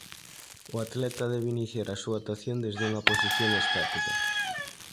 O atleta debe iniciar a súa actuación desde unha posición estática.